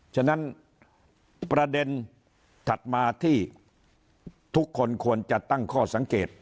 ฉะนั้นประเด็นถัดมาที่ทุกคนควรจะตั้งข้อสังเกต